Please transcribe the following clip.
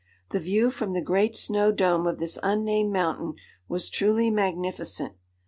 The view from the great snow dome of this unnamed mountain was truly magnificent.